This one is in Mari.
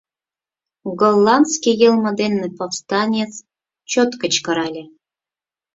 — голландский йылме дене повстанец чот кычкырале.